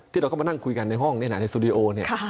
ที่เราก็มานั่งคุยกันในห้องในสตูดิโอ